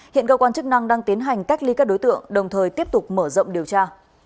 hiện cơ quan chức năng đang tiến hành cách ly các đối tượng đồng thời tiếp tục mở rộng điều tra